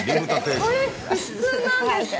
これ普通なんですか。